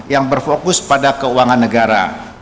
yang berfokus pada keuangan negara